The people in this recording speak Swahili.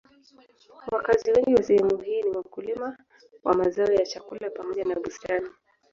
Wakazi wengi wa sehemu hii ni wakulima wa mazao ya chakula pamoja na bustani.